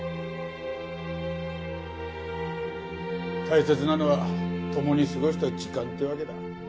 大切なのは共に過ごした時間ってわけだ。